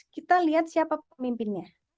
kita lihat siapa pemimpinnya